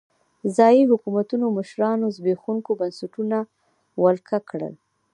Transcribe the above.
ځايي حکومتونو مشرانو زبېښونکي بنسټونه ولکه کړل.